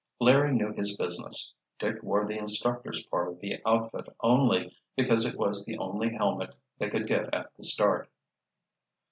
Larry knew his business: Dick wore the instructor's part of the outfit only because it was the only helmet they could get at the start.